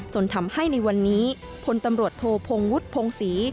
จนทำให้ในวันนี้พลตำรวจโทพงวุฒิพงศรี